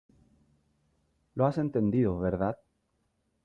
lo has entendido ,¿ verdad ?